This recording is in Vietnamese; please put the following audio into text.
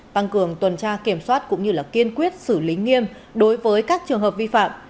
tăng cường tuần tra kiểm soát cũng như kiên quyết xử lý nghiêm đối với các trường hợp vi phạm